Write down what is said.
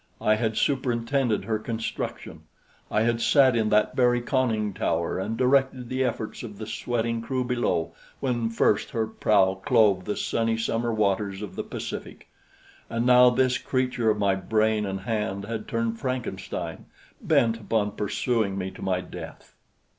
I had superintended her construction. I had sat in that very conning tower and directed the efforts of the sweating crew below when first her prow clove the sunny summer waters of the Pacific; and now this creature of my brain and hand had turned Frankenstein, bent upon pursuing me to my death.